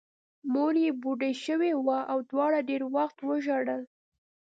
مور یې بوډۍ شوې وه او دواړو ډېر وخت وژړل